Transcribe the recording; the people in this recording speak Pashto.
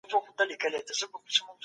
ټولنیز نظامونه د بدلون وړ دي.